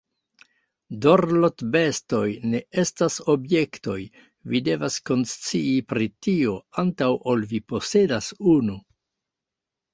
Dorlotbestoj ne estas objektoj, vi devas konscii pri tio antaŭ ol vi posedas unu.